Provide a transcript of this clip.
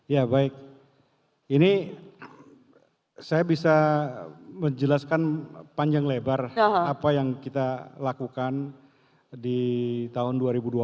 ya baik ini saya bisa menjelaskan panjang lebar apa yang kita lakukan di tahun dua ribu dua puluh